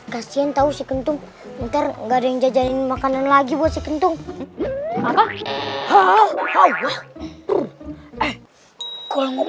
kasian tahu si kentung ntar nggak ada yang jajan makanan lagi buat si kentung